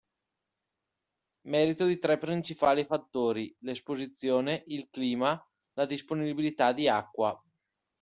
Merito di tre principali fattori: l'esposizione, il clima, la disponibilità di acqua.